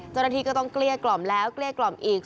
เจ้าหน้าที่ก็ต้องเกลี้ยกล่อมแล้วเกลี้ยกล่อมอีก